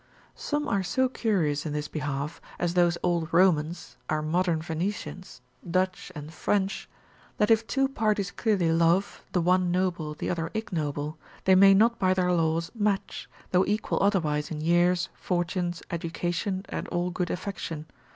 ——— Some are so curious in this behalf, as those old Romans, our modern Venetians, Dutch and French, that if two parties clearly love, the one noble, the other ignoble, they may not by their laws match, though equal otherwise in years, fortunes, education, and all good affection.